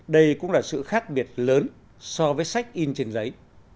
đây cũng là sự khác biệt lớn so với sách in trên giấy